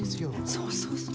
そうそうそう。